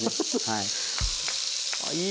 はい。